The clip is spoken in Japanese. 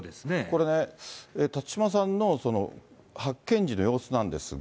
これね、辰島さんの発見時の様子なんですが。